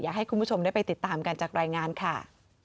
ให้คุณผู้ชมได้ไปติดตามกันจากรายงานค่ะ